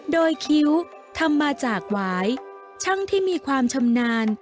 โดยคิ้วทำมาจากหวายช่างที่มีความชำนาญ